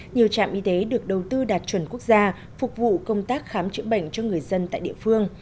nhiều trạm y tế được đầu tư đạt chuẩn quốc gia phục vụ công tác khám chữa bệnh cho người dân tại địa phương